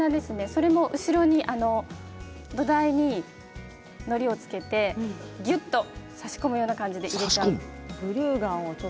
それも後ろに土台にのりをつけてぎゅっと差し込むような感じで。